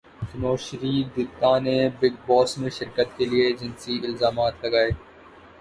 تنوشری دتہ نے بگ باس میں شرکت کیلئے جنسی الزامات لگائے